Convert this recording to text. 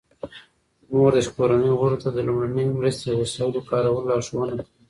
مور د کورنۍ غړو ته د لومړنۍ مرستې د وسایلو کارولو لارښوونه کوي.